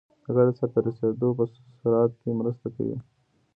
د کار د سرته رسیدو په سرعت کې مرسته کوي.